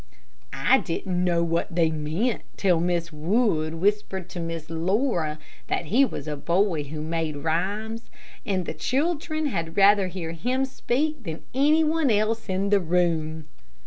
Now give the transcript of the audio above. I didn't know what they meant, till Mrs. Wood whispered to Miss Laura that he was a boy who made rhymes, and the children had rather hear him speak than any one else in the room.